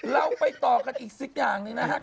เราไปต่อกันอีกสักอย่างหนึ่งนะครับ